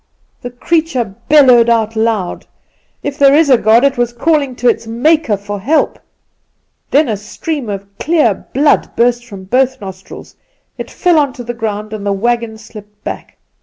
The creature bellowed aloud. If there is a God, it was calling to its Maker for help. Then a stream of clear blood burst from both nostrils; it fell on to the ground, and the wagon slipped back.